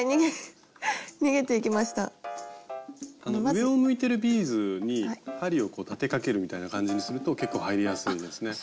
上を向いてるビーズに針を立てかけるみたいな感じにすると結構入りやすいですね。